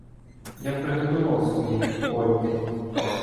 Я приготував свої "Кольти".